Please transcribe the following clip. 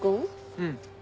うん。